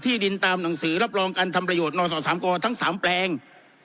ดินตามหนังสือรับรองการทำประโยชน์นศ๓กทั้ง๓แปลง